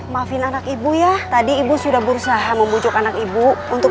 maafin anak ibu ya tadi ibu sudah berusaha membujuk anak ibu untuk